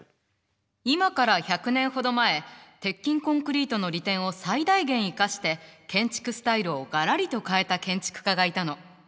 今から１００年ほど前鉄筋コンクリートの利点を最大限生かして建築スタイルをガラリと変えた建築家がいたの。